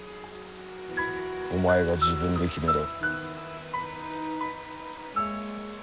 お前が自分で決めろ。